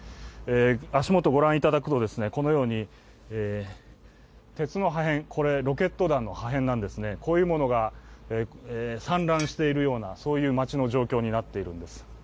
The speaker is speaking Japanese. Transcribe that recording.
足元、ご覧いただくとこのように、鉄の破片、これ、ロケット弾の破片なんですね、こういうものが散乱しているような街の状況になっているんです。